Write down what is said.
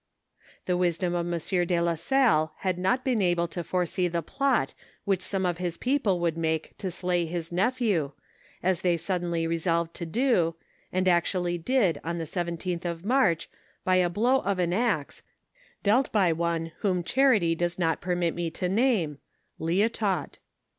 The wisdom of Monsieur de la Salle had not been able to foresee the plot which some of his people would make to slay his nephew, as they suddenly resolved to do, and actual ly did on the 17th of March, by a blow of an axe, dealt by one whom charity does not permit me to name (Liotot).